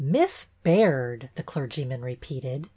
Miss Baird !" the clergyman repeated.